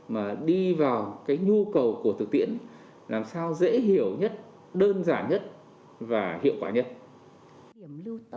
mà đi vào cái nhu cầu của thực tiễn làm sao dễ hiểu nhất đơn giản nhất và hiệu quả nhất